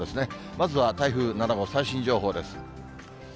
まずは台風７号、最新情報です。